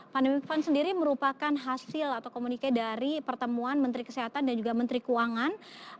pandemic fund sendiri merupakan hasil atau komunikasi dari pertemuan menteri kesehatan dan juga menteri keuangan